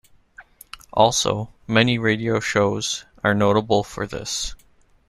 Also, many radio shows, are notable for this.